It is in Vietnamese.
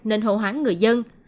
nên hộ hoãn người dân